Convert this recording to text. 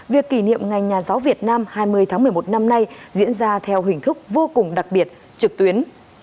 việc kỷ niệm ngày nhà giáo việt nam hai mươi tháng một mươi một năm nay diễn ra theo hình thức vô cùng đặc biệt trực tuyến